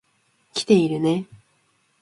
来ているね。